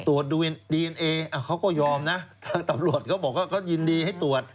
ตรวจดูดีเอ็นเอเขาก็ยอมนะทางตำรวจเขาบอกว่าเขายินดีให้ตรวจ